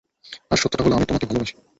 আর সত্যটা হলো, আমি তোমাকে ভালবাসি।